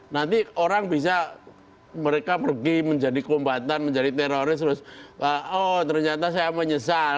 nanti orang bisa mereka pergi menjadi kombatan menjadi teroris terus oh ternyata saya menyesal